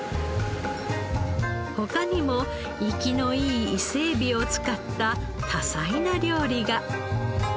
他にも生きのいい伊勢えびを使った多彩な料理が。